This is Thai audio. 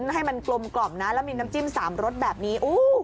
ให้มันกลมกล่อมนะแล้วมีน้ำจิ้ม๓รสแบบนี้